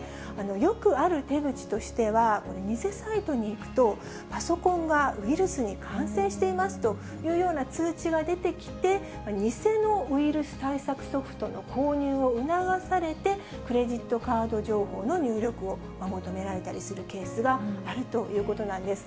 よくある手口としては、偽サイトにいくと、パソコンがウイルスに感染していますというような通知が出てきて、偽のウイルス対策ソフトの購入を促されて、クレジットカード情報の入力を求められたりするケースがあるということなんです。